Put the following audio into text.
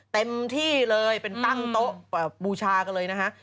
เต็มที่เลยเป็นตั้งโต๊ะบูชากันเลยนะฮะ